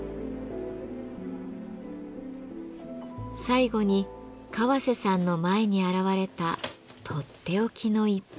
最後に川瀬さんの前に現れたとっておきの一品。